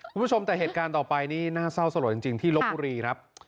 คุณผู้ชมแต่เหตุการณ์ต่อไปนี่น่าเศร้าสลดจริงที่ลบบุรีครับ